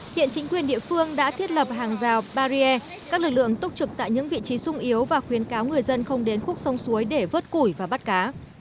hiện chính quyền địa phương đã thiết lập hàng rào barrier các lực lượng túc trực tại những vị trí sung yếu và khuyến cáo người dân không đến khúc sông suối để vớt củi và bắt cá